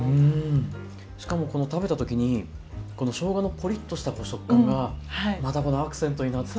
しかも食べたときにしょうがのポリッとした食感がまたこのアクセントになって。